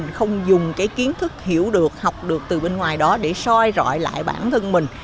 mình không dùng cái kiến thức hiểu được học được từ bên ngoài đó để soi rọi lại bản thân mình